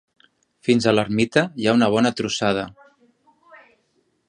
Fins a l'ermita, hi ha una bona trossada.